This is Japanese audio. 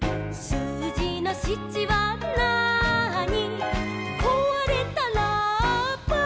「すうじの８はなーに」